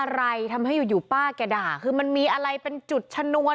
อะไรทำให้อยู่อยู่ป้าแกด่าคือมันมีอะไรเป็นจุดชนวน